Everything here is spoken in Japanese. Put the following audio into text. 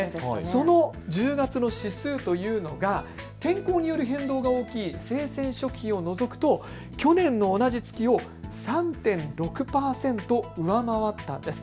その１０月の指数というのが天候による変動が大きい生鮮食品を除くと去年の同じ月を３．６％上回ったんです。